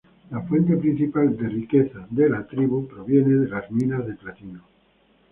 La fuente principal de la tribu de la riqueza proviene de minas de platino.